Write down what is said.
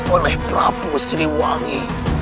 oleh prabu sriwangi